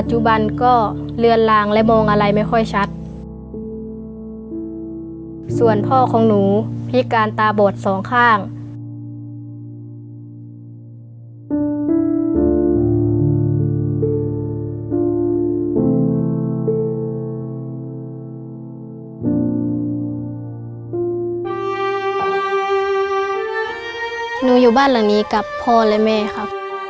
หนูอยู่บ้านหลังนี้กับพ่อและแม่ครับ